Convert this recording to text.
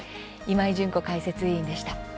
今井純子解説委員でした。